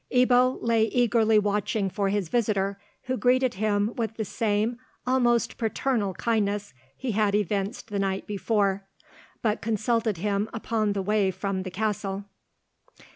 Ebbo lay eagerly watching for his visitor, who greeted him with the same almost paternal kindness he had evinced the night before, but consulted him upon the way from the castle.